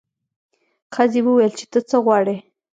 ښځې وویل چې ته څه غواړې.